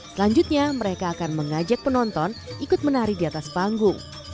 selanjutnya mereka akan mengajak penonton ikut menari di atas panggung